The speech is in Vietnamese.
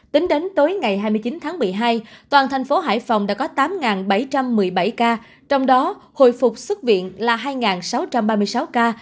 tính đến tối ngày hai mươi chín tháng một mươi hai toàn thành phố hải phòng đã có tám bảy trăm một mươi bảy ca trong đó hồi phục xuất viện là hai sáu trăm ba mươi sáu ca